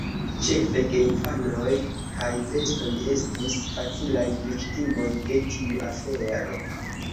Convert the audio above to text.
Ĉefe geinfanoj kaj bestoj estis facilaj viktimoj de tiu afero.